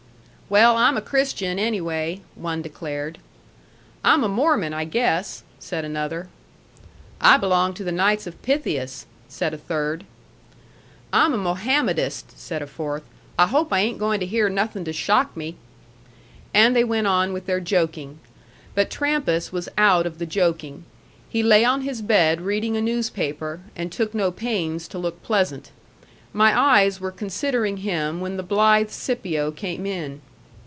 "Well, I'm a Christian, anyway," one declared. "I'm a Mormon, I guess," said another. "I belong to the Knights of Pythias," said a third. "I'm a Mohammedist," said a fourth; "I hope I ain't goin' to hear nothin' to shock me." And they went on with their joking. But Trampas was out of the joking. He lay on his bed reading a newspaper, and took no pains to look pleasant. My eyes were considering him when the blithe Scipio came in.